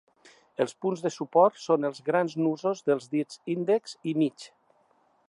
Els punts de suport són els grans nusos dels dits índex i mig.